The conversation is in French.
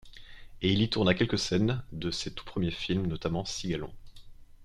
Et il y tourna quelques scènes de ses tout premiers films, notamment Cigalon.